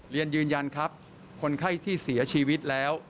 เรียนยืนยันครับคนไข้ที่เสียชีวิตแล้ว